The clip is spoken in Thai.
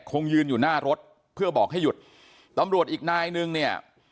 คงยืนอยู่หน้ารถเพื่อบอกให้หยุดตำรวจอีกนายนึงเนี่ย